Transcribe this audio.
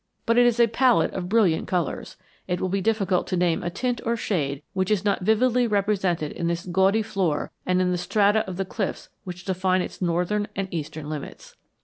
But it is a palette of brilliant colors; it will be difficult to name a tint or shade which is not vividly represented in this gaudy floor and in the strata of the cliffs which define its northern and eastern limits.